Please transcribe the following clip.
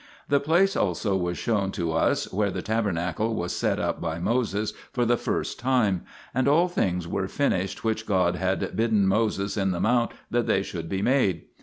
The place also was shown to us where the tabernacle was set up by Moses l for the first time, and all things were finished which God had bidden Moses in the mount that they should be made.